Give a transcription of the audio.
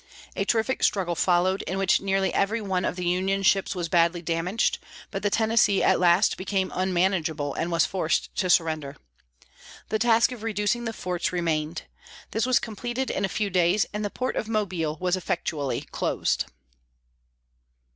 A terrific struggle followed, in which nearly every one of the Union ships was badly damaged; but the Tennessee at last became unmanageable and was forced to surrender. The task of reducing the forts remained. This was completed in a few days and the port of Mobile was effectually closed.